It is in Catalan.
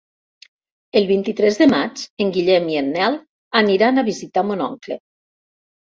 El vint-i-tres de maig en Guillem i en Nel aniran a visitar mon oncle.